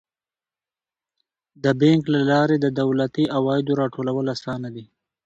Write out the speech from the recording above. د بانک له لارې د دولتي عوایدو راټولول اسانه دي.